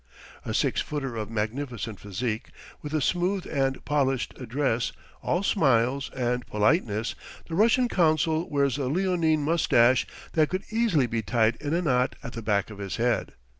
A six footer of magnificent physique, with a smooth and polished address, all smiles and politeness, the Russian consul wears a leonine mustache that could easily be tied in a knot at the back of his head.